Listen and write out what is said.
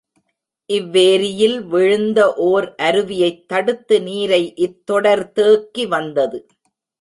இவ் வேரியில் விழுந்த ஓர் அருவியைத் தடுத்து நீரை இத் தொடர் தேக்கி வந்தது.